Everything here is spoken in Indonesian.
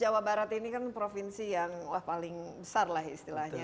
jawa barat ini kan provinsi yang paling besar lah istilahnya